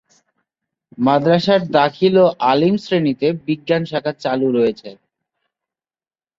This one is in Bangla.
মাদ্রাসার দাখিল ও আলিম শ্রেণীতে বিজ্ঞান শাখা চালু রয়েছে।